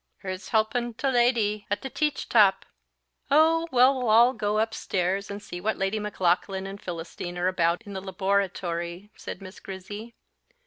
"Hur's helpin' ta leddie i' ta teach tap." "Oh, we'll all go upstairs, and see what Lady Maclaughlan and Philistine are about in the laboratory," said Miss Grizzy.